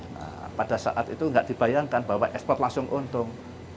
nah pada saat itu nggak dibayangkan bahwa ekspor langsung untung